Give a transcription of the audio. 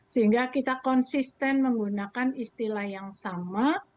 sehingga kita konsisten menggunakan istilah yang sama